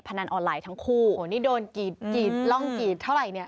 นันออนไลน์ทั้งคู่โอ้นี่โดนกรีดกรีดร่องกีดเท่าไหร่เนี่ย